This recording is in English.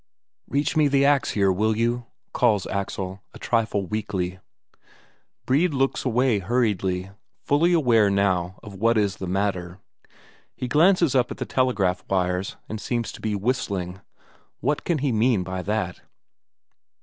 "Reach me the ax here, will you?" calls Axel, a trifle weakly. Brede looks away hurriedly, fully aware now of what is the matter; he glances up at the telegraph wires and seems to be whistling. What can he mean by that?